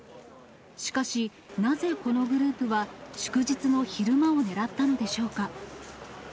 しかし、なぜこのグループは祝日の昼間をねらったのでしょうか。